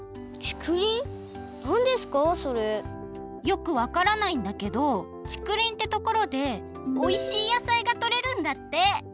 よくわからないんだけどちくりんってところでおいしい野菜がとれるんだって。